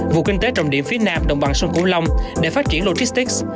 vụ kinh tế trồng điểm phía nam đồng bằng sông củ long để phát triển logistics